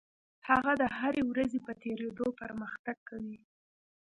هغه د هرې ورځې په تېرېدو پرمختګ کوي.